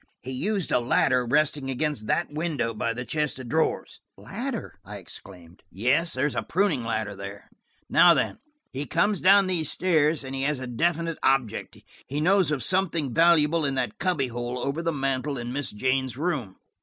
He used a ladder resting against that window by the chest of drawers." "Ladder!" I exclaimed. "Yes, there is a pruning ladder there. Now then–he comes down these stairs, and he has a definite object. He knows of something valuable in that cubby hole over the mantel in Miss Jane's room.